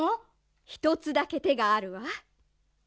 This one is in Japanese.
１つだけてがあるわ。